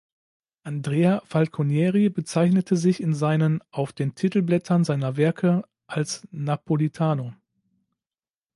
Andrea Falconieri bezeichnete sich in seinen auf den Titelblättern seiner Werke als "Napolitano".